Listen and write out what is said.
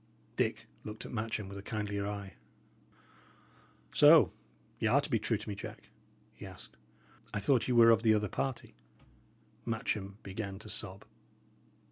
Dick looked at Matcham with a kindlier eye. "So y' are to be true to me, Jack?" he asked. "I thought ye were of the other party." Matcham began to sob.